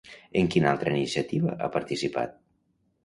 En quina altra iniciativa ha participat?